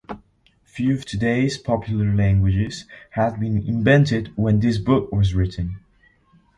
Few of today's popular languages had been invented when this book was written.